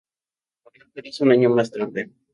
Murió en París un año más tarde.